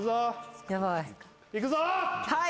はい。